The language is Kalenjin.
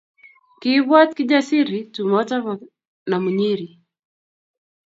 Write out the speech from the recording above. Kiibwat Kijasiri tumoto bo Namunyiri